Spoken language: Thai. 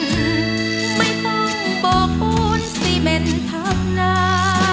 ไม่ต้องโปรดปูนสิเมนท์ทำหน้า